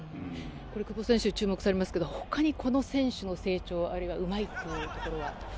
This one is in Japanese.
久保選手が注目されますけど他に、この選手の成長あるいはうまいところは？